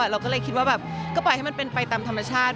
เราก็เลยคิดว่าแบบก็ปล่อยให้มันเป็นไปตามธรรมชาติ